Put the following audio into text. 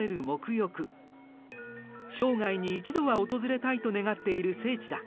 生涯に一度は訪れたいと願っている聖地だ。